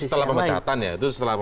oh itu setelah pemecatan ya